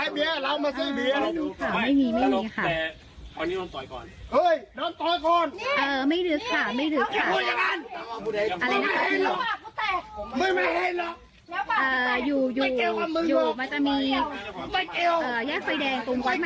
เอ่ออยู่อยู่อยู่มันจะมีเอ่อแยกไฟแดงตรงไว้ใหม่บ้านสวน